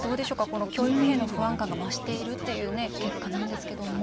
この教育費への不安感が増しているっていう結果なんですけども。